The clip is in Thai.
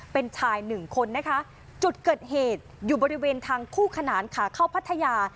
เป็นชายหนึ่งคนนะคะจุดเกิดเหตุอยู่บริเวณทางคู่ขนานขาเข้าพัทยา